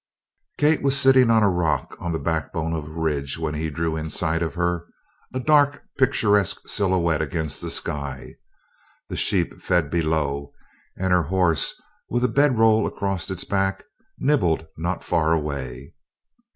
Kate was sitting on a rock on the backbone of a ridge when he drew in sight of her a dark picturesque silhouette against the sky. The sheep fed below, and her horse, with a bedroll across its back, nibbled not far away.